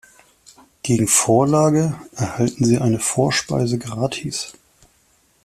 Gegen Vorlage erhalten Sie eine Vorspeise gratis.